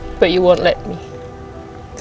tapi kamu tidak akan membiarkanku